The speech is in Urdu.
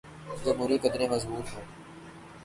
جمہوری قدریں مضبوط ہوں۔